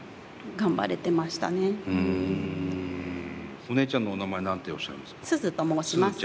お姉ちゃんのお名前何ておっしゃるんですか？